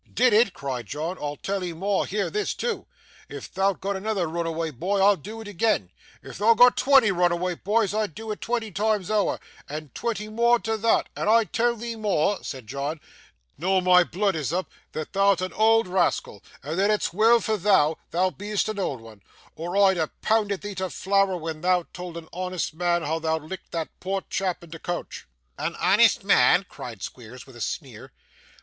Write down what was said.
'Did it!' cried John. 'I'll tell 'ee more; hear this, too. If thou'd got another roonaway boy, I'd do it agean. If thou'd got twonty roonaway boys, I'd do it twonty times ower, and twonty more to thot; and I tell thee more,' said John, 'noo my blood is oop, that thou'rt an old ra'ascal; and that it's weel for thou, thou be'est an old 'un, or I'd ha' poonded thee to flour when thou told an honest mun hoo thou'd licked that poor chap in t' coorch.' 'An honest man!' cried Squeers, with a sneer.